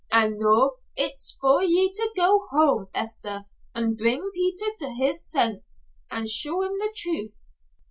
And noo, it's for ye to go home, Hester, an' bring Peter to his senses, and show him the truth.